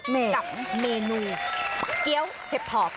กับเมนูเกี้ยวเผ็ดถอกค่ะ